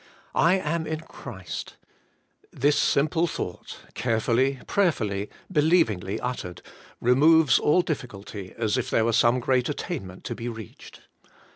/ am in Christ : This simple AS YOU CAME TO HIM, BY FAITH, 47 thought, carefully, prayerfully, believingly uttered, removes all diflBculty as if there were some great attainment to be reached.